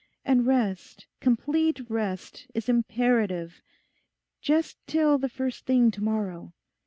'And rest, complete rest, is imperative. Just till the first thing to morrow.